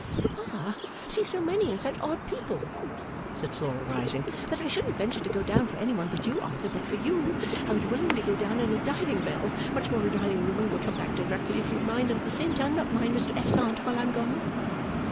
'Papa sees so many and such odd people,' said Flora, rising, 'that I shouldn't venture to go down for any one but you Arthur but for you I would willingly go down in a diving bell much more a dining room and will come back directly if you'll mind and at the same time not mind Mr F.'s Aunt while I'm gone.